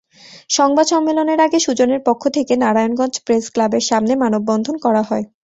সংবাদ সম্মেলনের আগে সুজনের পক্ষ থেকে নারায়ণগঞ্জ প্রেসক্লাবের সামনে মানববন্ধন করা হয়।